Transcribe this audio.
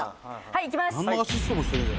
「はいいきます！」